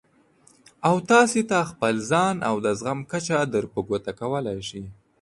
او تاسې ته خپل ځان او د زغم کچه در په ګوته کولای شي.